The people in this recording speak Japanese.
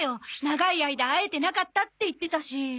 長い間会えてなかったって言ってたし。